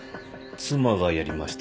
妻がやりました。